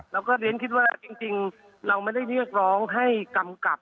เราก็เรียนคิดว่าจริงเราไม่ได้เรียกร้องให้กำกับ